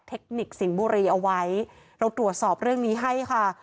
เทคนิคสิงห์บุรีเอาไว้เราตรวจสอบเรื่องนี้ให้ค่ะ